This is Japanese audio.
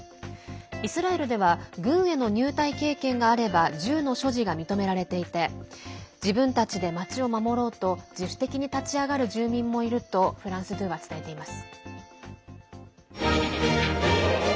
イスラエルでは軍への入隊経験があれば銃の所持が認められていて自分たちで町を守ろうと自主的に立ち上がる住民もいるとフランス２は伝えています。